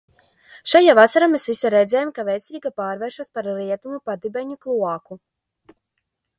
Šajā vasarā mēs visi redzējām, kā Vecrīga pārvēršas par Rietumu padibeņu kloāku.